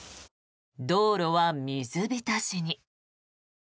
道路は水浸しに。